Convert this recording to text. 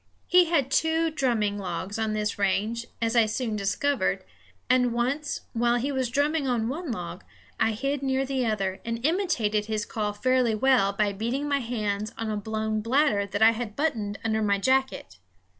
He had two drumming logs on this range, as I soon discovered; and once, while he was drumming on one log, I hid near the other and imitated his call fairly well by beating my hands on a blown bladder that I had buttoned under my jacket.